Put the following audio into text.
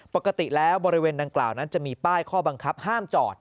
ปกติแล้วบริเวณดังกล่าวนั้นจะมีป้ายข้อบังคับห้ามจอด